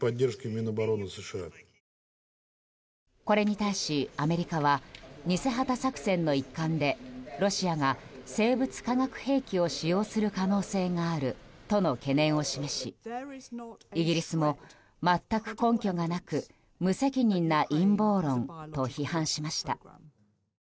これに対し、アメリカは偽旗作戦の一環でロシアが生物・化学兵器を使用する可能性があるとの懸念を示しイギリスも、全く根拠がなく無責任な陰謀論と批判しました。